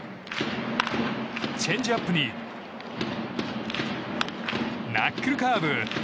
チェンジアップにナックルカーブ。